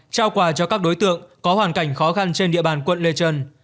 trao quà cho các đối tượng có hoàn cảnh khó khăn trên địa bàn quận lê trân